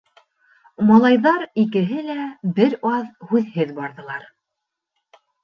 Малайҙар икеһе лә бер аҙ һүҙһеҙ барҙылар.